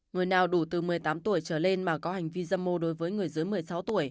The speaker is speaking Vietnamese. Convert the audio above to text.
người nào đủ từ một mươi tám tuổi trở lên mà có hành vi dâm mô đối với người dưới một mươi sáu tuổi